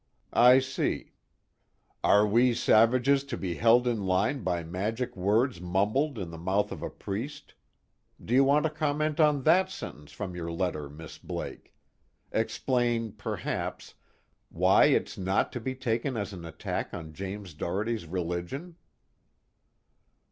"I see. 'Are we savages to be held in line by magic words mumbled in the mouth of a priest?' do you want to comment on that sentence from your letter, Miss Blake? Explain, perhaps, why it's not to be taken as an attack on James Doherty's religion?"